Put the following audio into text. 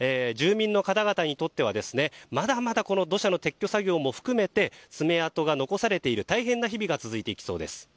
住民の方々にとってはまだまだ土砂の撤去作業も含めて爪痕が残されている大変な日々が続いていきそうです。